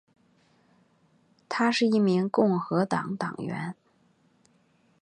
她是一名共和党党员。